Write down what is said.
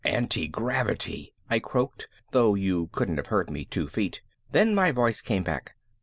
"Antigravity," I croaked, though you couldn't have heard me two feet. Then my voice came back.